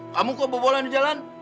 kamu kok bobolan di jalan